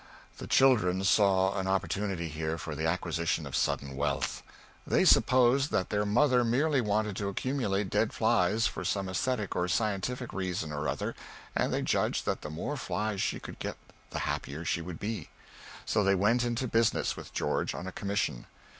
The children saw an opportunity here for the acquisition of sudden wealth. They supposed that their mother merely wanted to accumulate dead flies, for some æsthetic or scientific reason or other, and they judged that the more flies she could get the happier she would be; so they went into business with George on a commission.